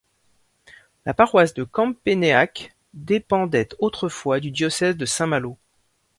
La paroisse de Campénéac dépendait autrefois du diocèse de Saint-Malo.